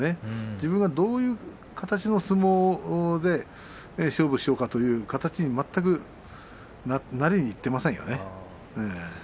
自分が、どういう形の相撲で勝負しようかという形に全くなりにいっていませんね。